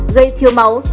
gây thiếu máu